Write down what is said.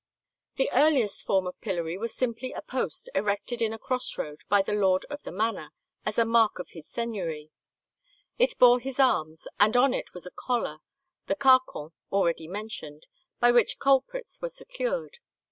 The earliest form of pillory was simply a post erected in a cross road by the lord of the manor, as a mark of his seigneury.[164:1] It bore his arms, and on it was a collar, the carcan already mentioned, by which culprits were secured.